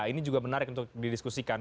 ini juga menarik untuk didiskusikan